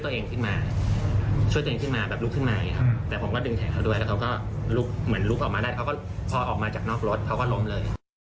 พอออกมาจากนอกรถเขาก็ล้มเลย